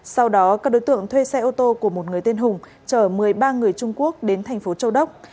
sau đó các đối tượng thuê xe ô tô của một người tên hùng chở một mươi ba người trung quốc đến thành phố châu đốc